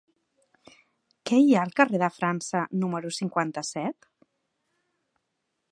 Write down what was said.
Què hi ha al carrer de França número cinquanta-set?